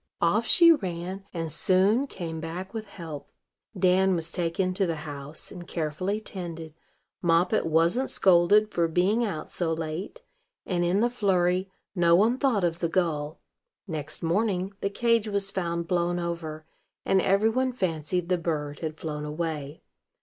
Off she ran, and soon came back with help. Dan was taken to the house, and carefully tended; Moppet wasn't scolded for being out so late; and, in the flurry, no one thought of the gull. Next morning, the cage was found blown over, and every one fancied the bird had flown away.